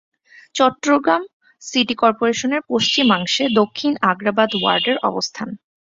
Chittagong city কর্পোরেশনের পশ্চিমাংশে দক্ষিণ আগ্রাবাদ ওয়ার্ডের অবস্থান।